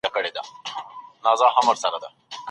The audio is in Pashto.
کوټه پاکه ساتل شوې ده.